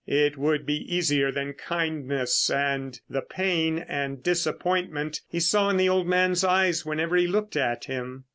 It would be easier than kindness and the pain and disappointment he saw in the old man's eyes whenever he looked at him.